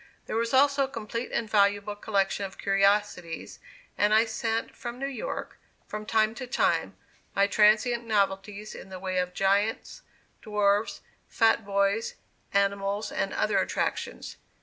There was also a complete and valuable collection of curiosities and I sent from New York, from time to time, my transient novelties in the way of giants, dwarfs, fat boys, animals and other attractions.